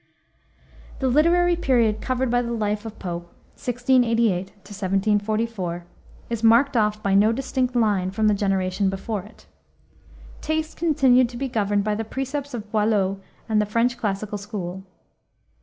The literary period covered by the life of Pope, 1688 1744, is marked off by no distinct line from the generation before it. Taste continued to be governed by the precepts of Boileau and the French classical school.